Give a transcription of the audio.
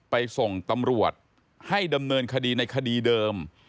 ไปส่งตำรวจให้ดำเนินคดีในคดีเดิม